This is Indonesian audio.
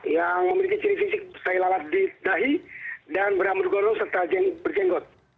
yang memiliki ciri fisik berkaitan dengan di dahi dan beramur gondong serta berjenggot